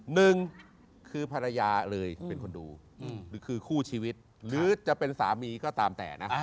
หนึ่งคือภรรยาเลยเป็นคนดูหรือคือคู่ชีวิตหรือจะเป็นสามีก็ตามแต่นะ